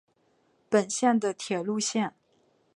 本线的铁路线。